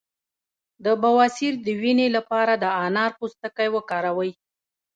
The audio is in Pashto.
د بواسیر د وینې لپاره د انار پوستکی وکاروئ